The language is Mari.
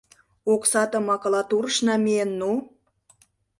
Оксатым макулатурыш намиен ну.